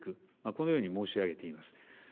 このように申し上げています。